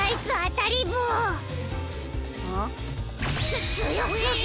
つつよすぎ。